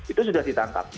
itu sudah ditangkap